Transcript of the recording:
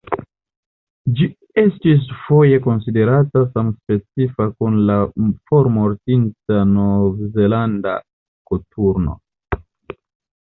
Ĝi estis foje konsiderata samspecifa kun la formortinta Novzelanda koturno.